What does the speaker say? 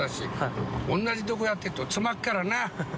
同じとこやってるとつまるからな。